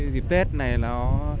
dịp tết này nó